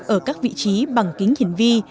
ở các vị trí bằng kính hiển vi